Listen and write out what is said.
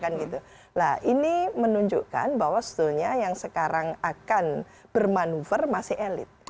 nah ini menunjukkan bahwa sebetulnya yang sekarang akan bermanuver masih elit